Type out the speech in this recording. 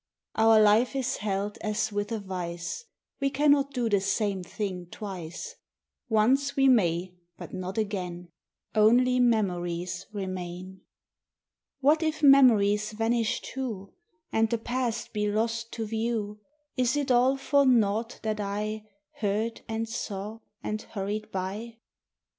Our life is held as with a vice, We cannot do the same thing twice; Once we may, but not again; Only memories remain. What if memories vanish too, And the past be lost to view; Is it all for nought that I Heard and saw and hurried by?